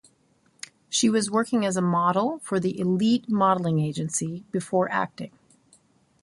She was working as a model for the Elite modeling agency before acting.